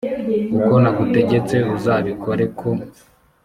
uko nagutegetse uzabikore ko